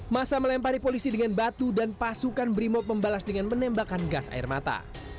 masa melempari polisi dengan batu dan pasukan brimop membalas dengan menembakkan gas air mata